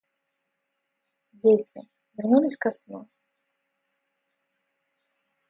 Дети, вернулись ко сну.